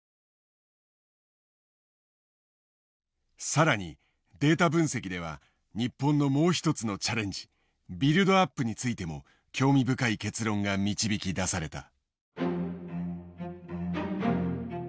更にデータ分析では日本のもう一つのチャレンジビルドアップについても興味深い結論が導き出された。